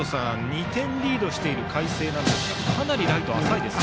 ２点リードしている海星ですがかなりライトが浅いですね。